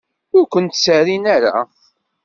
Ur ken-serrin ara.